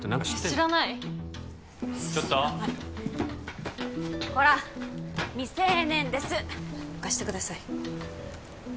知らないちょっとコラッ未成年です貸してください